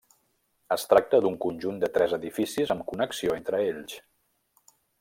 Es tracta d'un conjunt de tres edificis amb connexió entre ells.